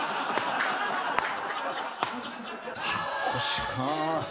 引っ越しか。